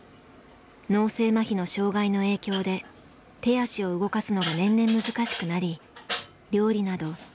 脳性まひの障害の影響で手足を動かすのが年々難しくなり料理など家事のほとんどができません。